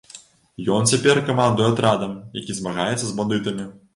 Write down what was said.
Ён цяпер камандуе атрадам, які змагаецца з бандытамі.